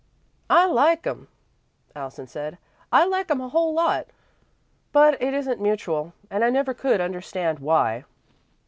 "I like 'em," Allison said. "I like 'em a whole lot, but it isn't mutual, and I never could understand why."